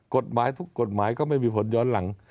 กฎหมายทุกกฎหมายก็ไม่มีผลย้อนหลัง